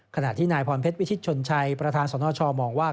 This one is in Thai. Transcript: ขณะที่นายพรเพชรวิชิตชนชัยประธานสนชมองว่า